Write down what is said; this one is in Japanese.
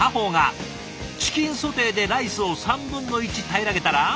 チキンソテーでライスを３分の１平らげたら。